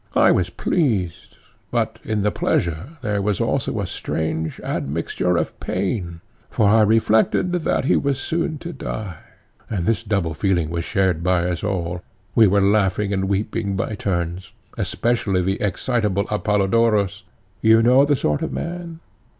I was pleased, but in the pleasure there was also a strange admixture of pain; for I reflected that he was soon to die, and this double feeling was shared by us all; we were laughing and weeping by turns, especially the excitable Apollodorus—you know the sort of man?